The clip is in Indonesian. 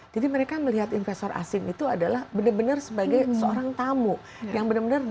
jadi mereka melihat investor asing itu adalah benar benar sebagai seorang tamu yang benar benar